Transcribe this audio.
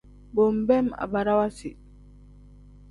Bo nbeem agbarawa si.